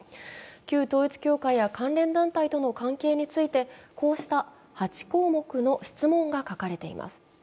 旧統一教会や関連団体との関係について、こうした８項目の質問が書かれています。